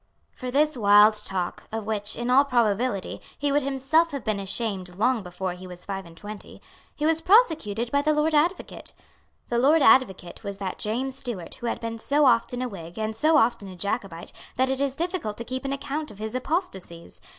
For this wild talk, of which, in all probability, he would himself have been ashamed long before he was five and twenty, he was prosecuted by the Lord Advocate. The Lord Advocate was that James Stewart who had been so often a Whig and so often a Jacobite that it is difficult to keep an account of his apostasies.